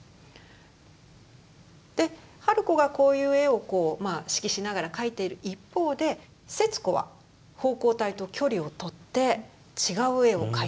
で春子がこういう絵を指揮しながら描いている一方で節子は奉公隊と距離を取って違う絵を描いていくと。